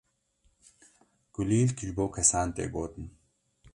kulîlk ji bo kesan tê gotin.